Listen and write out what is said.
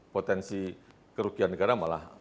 potensi kerugian negara malah